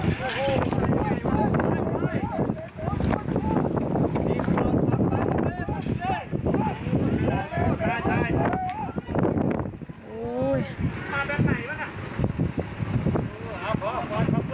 ขอบคุณมากขอบคุณมากขอบคุณมาก